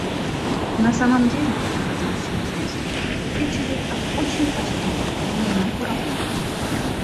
На самом деле, как нам всем известно, речь идет об очень простом линейном уравнении.